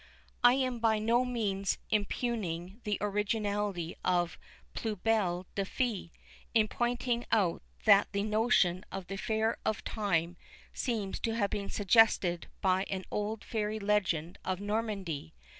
I am by no means impugning the originality of Plus Belle que Fée, in pointing out that the notion of the Fair of Time seems to have been suggested by an old fairy legend of Normandy.